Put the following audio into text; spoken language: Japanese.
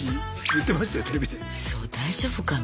うそ大丈夫かな。